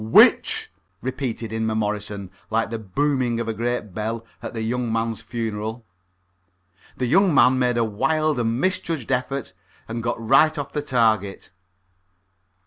"Which?" repeated Inmemorison, like the booming of a great bell at a young man's funeral. The young man made a wild and misjudged effort, and got right off the target.